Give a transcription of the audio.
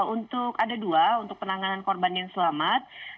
untuk ada dua untuk penanganan korban yang selamat